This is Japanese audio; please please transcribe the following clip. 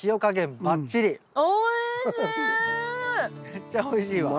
めっちゃおいしいわ。